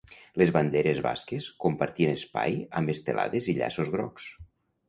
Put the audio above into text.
Les banderes basques compartien espai amb estelades i llaços grocs.